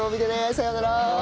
さよなら！